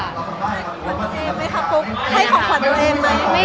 มันมีไหมคะปุ๊บให้ของขวัญของคุณแม่ไหม